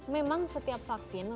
memang setiap vaksin memiliki beda